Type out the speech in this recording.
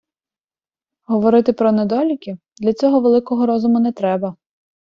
Говорити про недоліки — для цього великого розуму не треба.